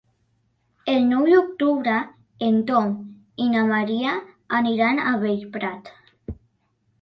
El nou d'octubre en Tom i na Maria aniran a Bellprat.